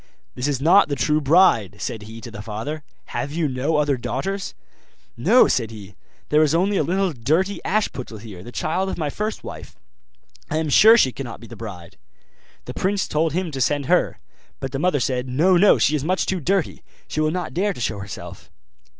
'This is not the true bride,' said he to the father; 'have you no other daughters?' 'No,' said he; 'there is only a little dirty Ashputtel here, the child of my first wife; I am sure she cannot be the bride.' The prince told him to send her. But the mother said, 'No, no, she is much too dirty; she will not dare to show herself.